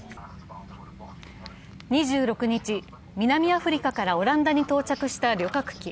２６日、南アフリカからオランダに到着した旅客機。